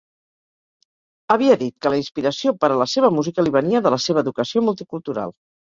Havia dit que la inspiració per a la seva música li venia de la seva educació multicultural.